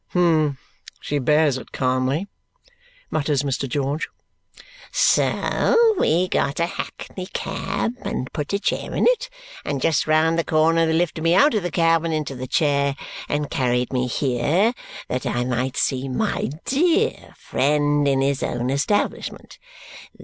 "Hum! She bears it calmly!" mutters Mr. George. "So we got a hackney cab, and put a chair in it, and just round the corner they lifted me out of the cab and into the chair, and carried me here that I might see my dear friend in his own establishment!